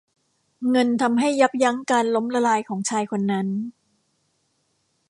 เงินทำให้ยับยั้งการล้มละลายของชายคนนั้น